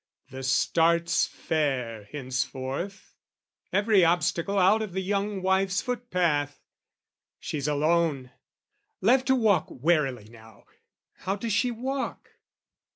The start's fair henceforth every obstacle Out of the young wife's footpath she's alone Left to walk warily now: how does she walk?